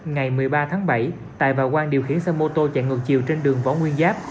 ngày một mươi ba tháng bảy tài và quang điều khiển xe mô tô chạy ngược chiều trên đường võ nguyên giáp